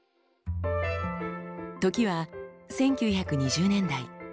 時は１９２０年代。